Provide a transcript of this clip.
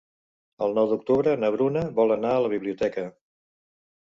El nou d'octubre na Bruna vol anar a la biblioteca.